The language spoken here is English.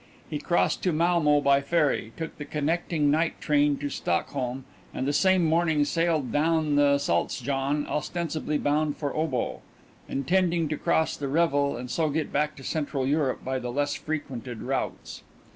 He crossed to Malmo by ferry, took the connecting night train to Stockholm and the same morning sailed down the Saltsjon, ostensibly bound for Obo, intending to cross to Revel and so get back to central Europe by the less frequented routes.